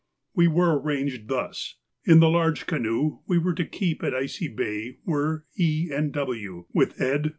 We were arranged thus:—In the large canoe we were to keep at Icy Bay were E. and W., with Ed.